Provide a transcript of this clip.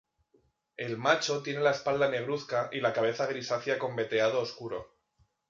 El macho tiene la espalda negruzca y la cabeza grisácea con veteado oscuro.